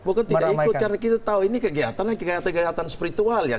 bukan tidak ikut karena kita tahu ini kegiatannya kegiatan kegiatan spiritual ya